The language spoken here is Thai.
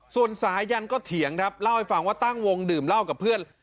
ส่วนสายันก็เถียงครับเล่าให้ฟังว่าตั้งวงดื่มเหล้ากับเพื่อน